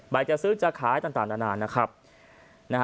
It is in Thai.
ใบจะซื้อจะขายต่างนาน